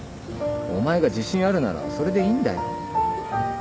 お前が自信あるならそれでいいんだよ。